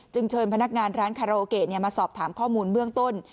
เชิญพนักงานร้านคาราโอเกะมาสอบถามข้อมูลเบื้องต้น